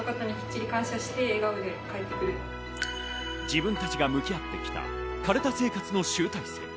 自分たちが向き合ってきた、かるた生活の集大成。